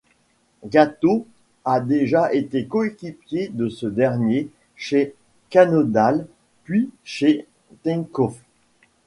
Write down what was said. Gatto a déjà été coéquipier de ce dernier chez Cannondale puis chez Tinkoff.